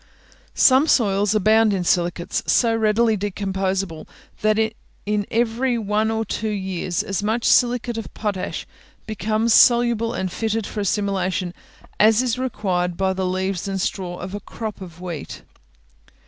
Some soils abound in silicates so readily decomposable, that in every one or two years, as much silicate of potash becomes soluble and fitted for assimilation as is required by the leaves and straw of a crop of wheat.